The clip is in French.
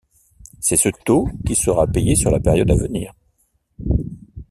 C'est ce taux qui sera payé sur la période à venir.